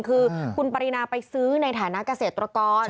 คือคุณปรินาไปซื้อในฐานะเกษตรกร